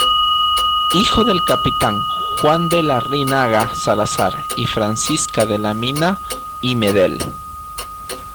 Hijo del capitán Juan de Larrinaga Salazar y Francisca de la Mina y Medel.